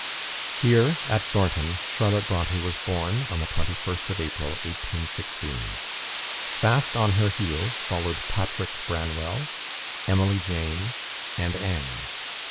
Here, at Thornton, Charlotte Bronte was born, on the 21st of April, 1816. Fast on her heels followed Patrick Branwell, Emily Jane, and Anne.